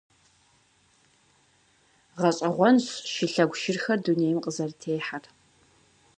Гъэщӏэгъуэнщ шылъэгу шырхэр дунейм къызэрытехьэр.